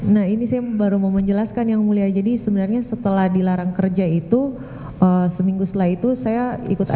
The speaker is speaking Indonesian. nah ini saya baru mau menjelaskan yang mulia jadi sebenarnya setelah dilarang kerja itu seminggu setelah itu saya ikut sekolah